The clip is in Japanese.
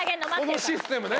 このシステムね。